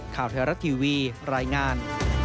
ข่าวไทยรัฐทีวีรายงาน